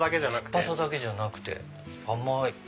酸っぱさだけじゃなくて甘い。